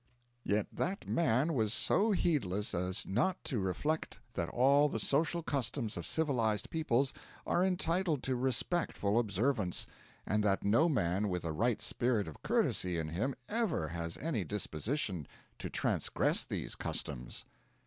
Yet that man was so heedless as not to reflect that all the social customs of civilised peoples are entitled to respectful observance, and that no man with a right spirit of courtesy in him ever has any disposition to transgress these customs.